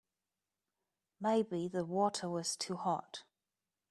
Maybe the water was too hot.